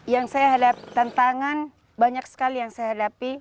yang saya hadapi tantangan banyak sekali yang saya hadapi